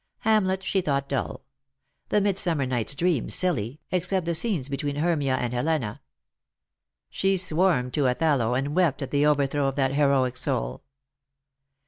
Hamlet she thought dull : the Midsummer Night' s Dream silly, except the scenes between Hermia and Helena. She warmed to Othello, and wept at the overthrow of that heroic soul.